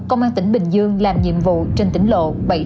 công an tỉnh bình dương làm nhiệm vụ trên tỉnh lộ bảy trăm bốn mươi